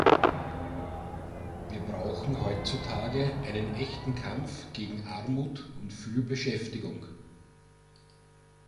Wir brauchen heutzutage einen echten Kampf gegen Armut und für Beschäftigung.